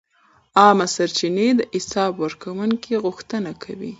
عامه سرچینې د حساب ورکونې غوښتنه کوي.